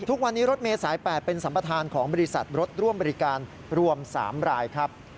ทุกวันนี้รถเมย์สาย๘เป็นสัมประธานของบริษัทรถร่วมบริการรวม๓รายครับ